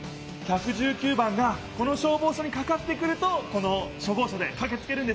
１１９番がこの消防署にかかってくるとこの消防車でかけつけるんですね。